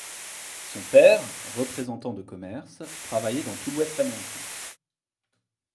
Son père, représentant de commerce, travaillait dans tout l'ouest américain.